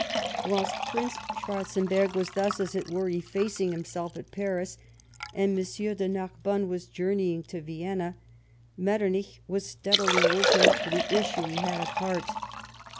Whilst Prince Schwarzenberg was thus, as it were, effacing himself at Paris, and M. de Narbonne wa& journeying to Vienna, Metternich was steadily working for the issue he had at heart.